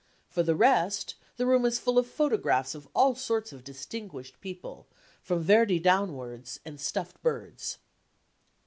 For the rest, the room is full of photographs of all sorts of distinguished people, from Verdi downwards, and stuffed birds.